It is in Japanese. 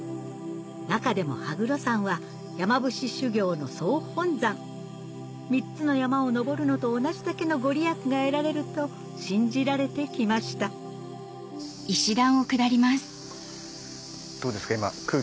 中でも羽黒山は山伏修行の総本山３つの山を登るのと同じだけの御利益が得られると信じられて来ましたどうですか？